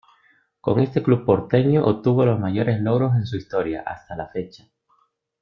Con este club porteño obtuvo los mayores logros en su historia, hasta la fecha.